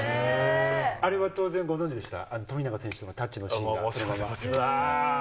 あれは当然、ご存じでした？